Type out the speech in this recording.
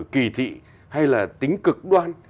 kỳ thị hay là tính cực đoan